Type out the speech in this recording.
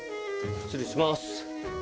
失礼します。